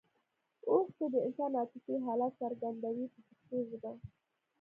اوښکې د انسان عاطفي حالت څرګندوي په پښتو ژبه.